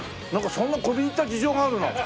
そんな込み入った事情があるの？